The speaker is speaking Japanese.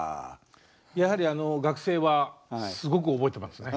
やはりあの学生はすごく覚えてますね。